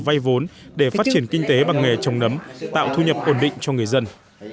vay vốn để phát triển kinh tế bằng nghề trồng nấm tạo thu nhập ổn định cho người dân